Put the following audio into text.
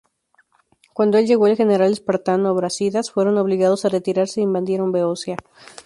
Cuando el llegó el general espartano, Brásidas, fueron obligados a retirarse, e invadieron Beocia.